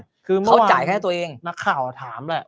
เหมือนเมื่อวานนี้มักข่าวถามแหละ